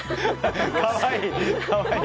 可愛い！